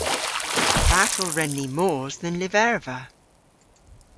Fatel wren ni mos dhe'n lyverva?